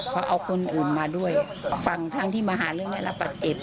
เขาเอาคนอื่นมาด้วยฝั่งทั้งที่มาหาเรื่องได้รับบาดเจ็บ